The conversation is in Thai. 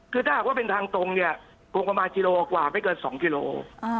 คือถ้าหากว่าเป็นทางตรงเนี่ยคงประมาณกิโลกว่าไม่เกิน๒กิโล